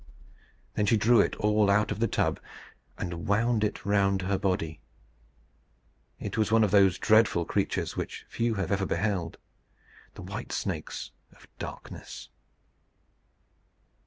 Then she drew it all out of the tub, and wound it round her body. It was one of those dreadful creatures which few have ever beheld the White Snakes of Darkness.